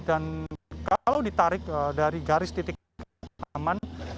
dan kalau ditarik dari garis titik taman